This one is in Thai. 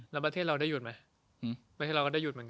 แล้วประเทศเราได้หยุดไหม